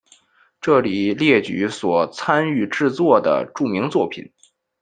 这里列举所参与制作的著名作品。